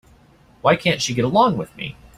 Why can't she get along with me?